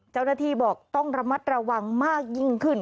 เจ้าหน้าที่บอกต้องระมัดระวังมากยิ่งขึ้น